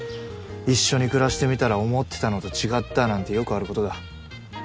一緒に暮らしてみたら思ってたのと違ったなんてよくあることだ。